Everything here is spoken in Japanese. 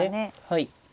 はい。